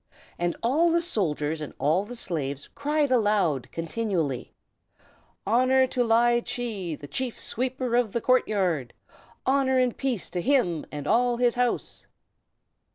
And all the soldiers and all the slaves cried aloud, continually: "Honor to Ly Chee, the Chief Sweeper of the court yard! Honor and peace to him and all his house!"